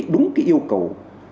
đúng cái yêu cầu